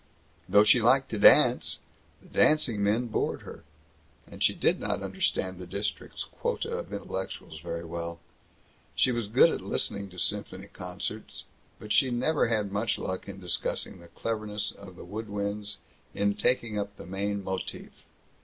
Though she liked to dance, the "dancing men" bored her. And she did not understand the district's quota of intellectuals very well; she was good at listening to symphony concerts, but she never had much luck in discussing the cleverness of the wood winds in taking up the main motif.